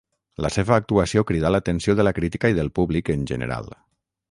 La seva actuació cridà l'atenció de la crítica i del públic en general.